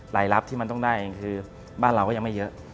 รับที่มันต้องได้เองคือบ้านเราก็ยังไม่เยอะ